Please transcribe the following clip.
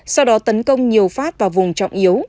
sau đó tấn công nhiều phát vào vùng trọng yếu